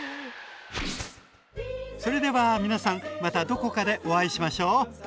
それでは皆さんまたどこかでお会いしましょう！